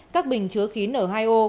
các bình chứa khí nở hai ô